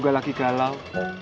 gagal lagi galau